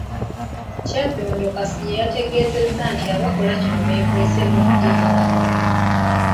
Kyaddondo Kasirye yategeezezza nti abakola kino beekwese mu ddiini